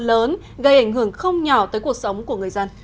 lớn gây ảnh hưởng không nhỏ tới cuộc sống của người dân